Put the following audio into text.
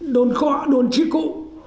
đồn khoa đồn tri cụ